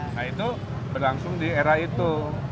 nah itu berlangsung di era itu